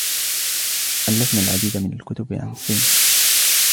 ألفنا العديد من الكتب عن الصين.